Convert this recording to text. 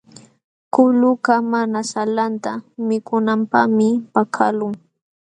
Kulukaq mana salanta mikunanpaqmi pakaqlun.